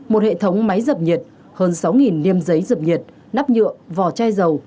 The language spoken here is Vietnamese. một hệ thống máy dập nhiệt hơn sáu liêm giấy dập nhiệt nắp nhựa vỏ chai dầu